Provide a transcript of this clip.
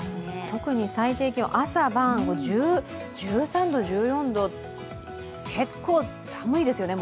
特に最低気温、朝晩、１３度、１４度結構寒いですよね。